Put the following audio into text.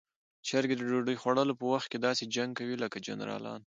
چرګې د ډوډۍ خوړلو په وخت کې داسې جنګ کوي لکه جنرالان.